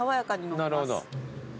なるほど。